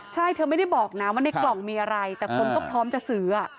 ใช่เธอไม่ได้บอกนะว่าในกล่องมีอะไรแต่คนก็พร้อมจะซื้อ